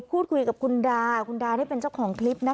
พูดคุยกับคุณดาคุณดานี่เป็นเจ้าของคลิปนะคะ